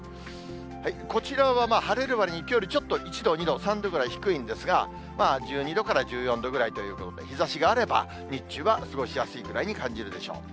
こちらは晴れるわりにきょうよりちょっと、１度、２度、３度ぐらい低いんですが、１２度から１４度ぐらいということで、日ざしがあれば、日中は過ごしやすいくらいに感じるでしょう。